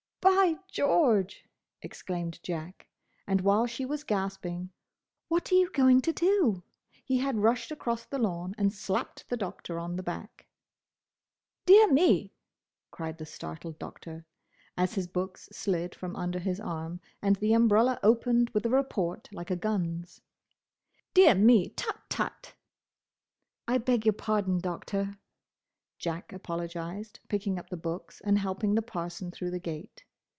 "By George!" exclaimed Jack; and while she was gasping, "What are you going to do?" he had rushed across the lawn and slapped the Doctor on the back. "Dear me!" cried the startled Doctor, as his books slid from under his arm and the umbrella opened with a report like a gun's. "Dear me! Tut, tut!" "I beg your pardon, Doctor," Jack apologised, picking up the books and helping the parson through the gate.